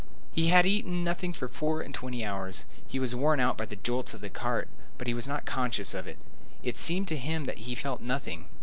He had eaten nothing for four and twenty hours; he was worn out by the jolts of the cart, but he was not conscious of it. It seemed to him that he felt nothing.